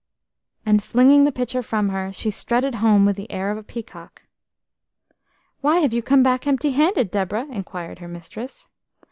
And flinging the pitcher from her, she strutted home with the air of a peacock. "Why have you come back empty handed, Deborah?" inquired her mistress.